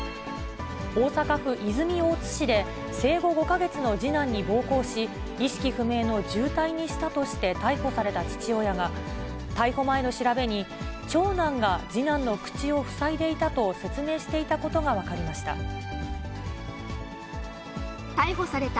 大阪府泉大津市で、生後５か月の次男に暴行し、意識不明の重体にしたとして逮捕された父親が、逮捕前の調べに、長男が次男の口を塞いでいたと説明していたことが分かりました。